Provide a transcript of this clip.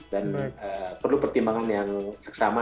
perlu pertimbangan yang seksama